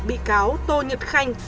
bị cáo tô nhật khanh